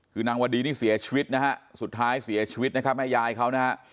คือนางวดีนี่เสียชีวิตสุดท้ายเสียชีวิตให้ยายเขา